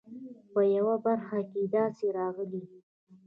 په یوه برخه کې یې داسې راغلي.